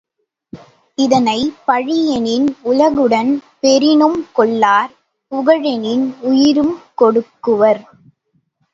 இதனை, பழி எனின் உலகுடன் பெறினும் கொள்ளார் புகழெனின் உயிரும் கொடுக்குவர்.